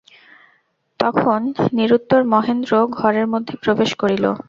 তখন নিরুত্তর মহেন্দ্র ঘরের মধ্যে প্রবেশ করিল।